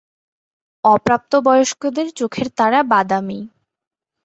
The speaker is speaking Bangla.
অপ্রাপ্তবয়স্কদের চোখের তারা বাদামি।